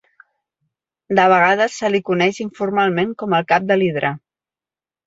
De vegades se li coneix informalment com el cap de l'hidra.